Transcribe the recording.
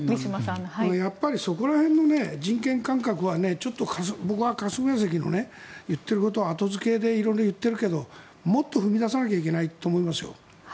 やっぱりそこら辺の人権感覚はちょっと僕は霞が関の言っていることは後付けで色々言っているけどもっと踏み出さなきゃいけないと思いますよ。